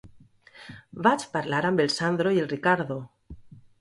Vaig parlar amb el Sandro i el Riccardo.